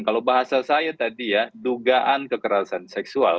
kalau bahasa saya tadi ya dugaan kekerasan seksual